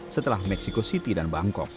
setelah meksiko situasi